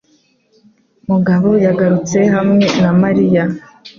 mugabo yagarutse hamwe na Mariya